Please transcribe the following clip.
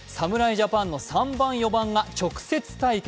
ジャパンの３番、４番が直接対決。